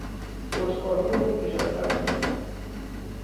خودخواهی او بیش از حد است.